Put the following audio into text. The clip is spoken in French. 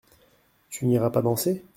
Tu n’iras pas danser ?